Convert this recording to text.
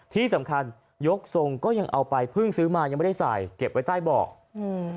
ที่สำคัญยกทรงก็ยังเอาไปเพิ่งซื้อมายังไม่ได้ใส่เก็บไว้ใต้เบาะอืม